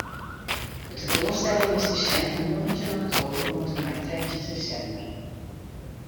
De tentoanstelling is te sjen fan njoggentjin oktober oant en mei trettjin desimber.